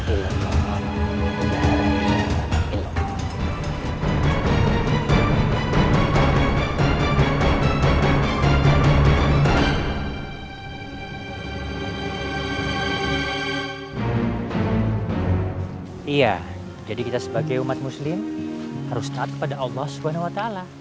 iya jadi kita sebagai umat muslim harus taat kepada allah swt